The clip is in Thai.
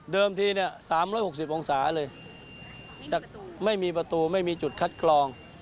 ทีเนี่ย๓๖๐องศาเลยจะไม่มีประตูไม่มีจุดคัดกรอง